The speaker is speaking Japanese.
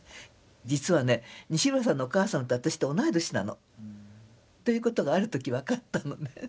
実はね西村さんのお母さんと私と同い年なの。ということがある時分かったのね。